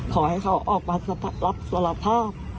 ขอให้เขาออกมารับสารภาพ